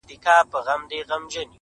هره ورځ لکه لېندۍ پر ملا کږېږم!!